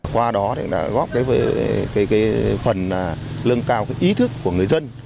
qua đó góp phần lương cao ý thức của người dân